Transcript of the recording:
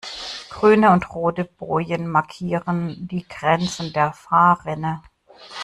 Grüne und rote Bojen markieren die Grenzen der Fahrrinne.